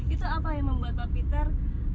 itu apa yang membuat pak peter